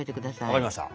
分かりました。